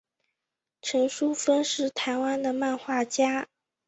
陈淑芬是台湾的漫画家。